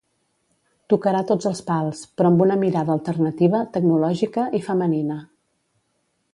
Tocarà tots els pals, però amb una mirada alternativa, tecnològica i femenina.